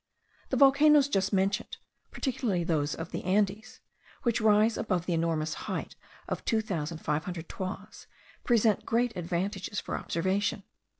The volcanoes just mentioned, particularly those of the Andes, which rise above the enormous height of two thousand five hundred toises, present great advantages for observation.